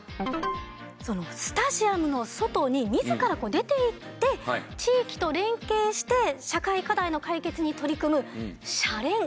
スタジアムの外に自ら出ていって地域と連携して社会課題の解決に取り組むシャレン！